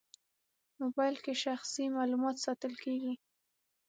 موبایل کې شخصي معلومات ساتل کېږي.